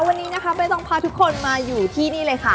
วันนี้นะคะไม่ต้องพาทุกคนมาอยู่ที่นี่เลยค่ะ